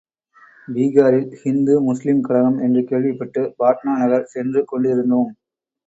பீஹாரில் ஹிந்து முஸ்லீம் கலகம் என்று கேள்விப்பட்டு பாட்னா நகர் சென்று கொண்டிருந்தோம்.